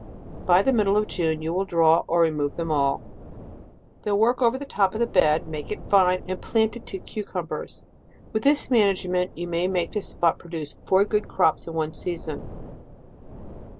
By the middle of June you will draw, or remove them DECEMBER. 206 all. Ther« work over the top of the bed, make it fine, and plant it to cucumbers. With this management you may make this spot produce four good crops in one season.